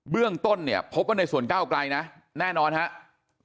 เรื่องต้นพบกันในส่วนก้าวกลัยนะแน่นอนครับ